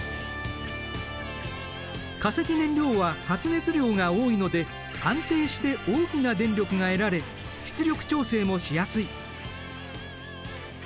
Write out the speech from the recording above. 化石燃料は発熱量が多いので安定して大きな電力が得られ出力調整もしやすい。